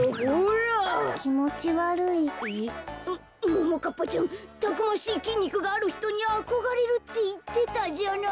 もももかっぱちゃんたくましいきんにくがあるひとにあこがれるっていってたじゃない。